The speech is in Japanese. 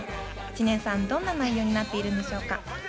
知念さん、どんな内容になっているんでしょうか？